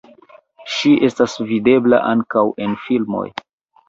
Ŝi estas videbla ankaŭ en filmoj.